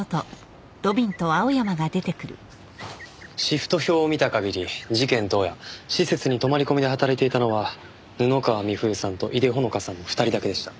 シフト表を見た限り事件当夜施設に泊まり込みで働いていたのは布川美冬さんと井手穂香さんの２人だけでした。